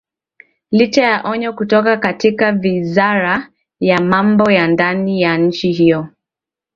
licha ya onyo kutoka katika wizara ya mambo ya ndani ya nchi hiyo